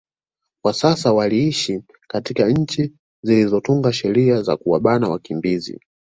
kwa sababu waliiishi katika nchi zilizotunga sheria za kuwabana wakimbizi